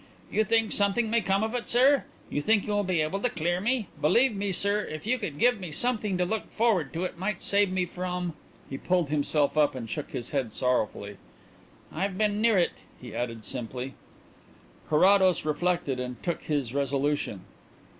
"You think something may come of it, sir? You think you will be able to clear me? Believe me, sir, if you could give me something to look forward to it might save me from " He pulled himself up and shook his head sorrowfully. "I've been near it," he added simply. Carrados reflected and took his resolution.